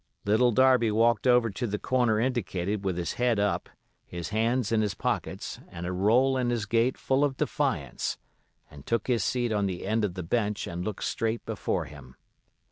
Little Darby walked over to the corner indicated with his head up, his hands in his pockets, and a roll in his gait full of defiance, and took his seat on the end of the bench and looked straight before him.